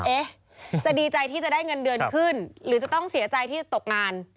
เอ๊ะจะดีใจที่จะได้เงินเดือนขึ้นหรือจะต้องเสียใจที่จะตกงาน